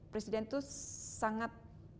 presiden itu sangat